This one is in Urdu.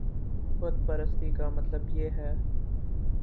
بت پرستی کا مطلب یہ ہے